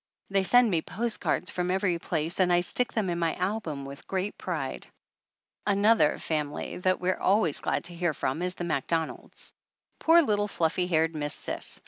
They send me post cards from 274 THE ANNALS OF ANN every place and I stick them in my album with great pride. Another family that we're always glad to hear from is the Macdonalds. Poor little fluffy haired Miss Cis!